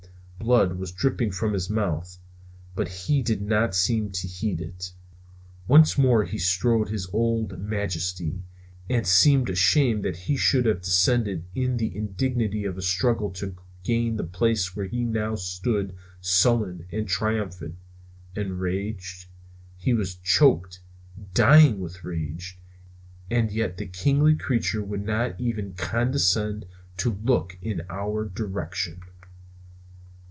Blood was dripping from his mouth, but he did not seem to heed it. Once more he strode with his old majesty, and seemed ashamed that he should have descended to the indignity of a struggle to gain the place where he now stood sullen and triumphant. Enraged? He was choking, dying with rage; and yet this kingly creature would not even condescend to look in our direction.